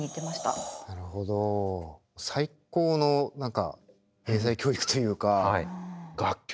なるほど最高の何か英才教育というか。